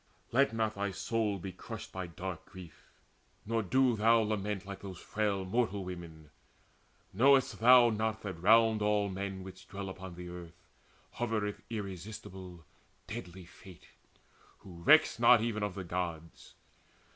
Let not thy soul Be crushed by dark grief, nor do thou lament Like those frail mortal women. Know'st thou not That round all men which dwell upon the earth Hovereth irresistible deadly Fate, Who recks not even of the Gods?